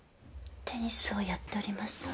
テニスをやっておりました。